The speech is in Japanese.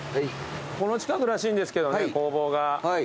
この近くらしいんですけどね工房が。